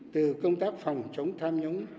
từ công tác phòng chống tham nhũng